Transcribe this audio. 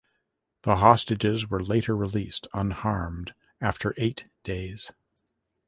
The hostages were later released unharmed after eight days.